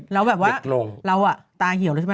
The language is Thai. เราอะตาหิวรู้ไหม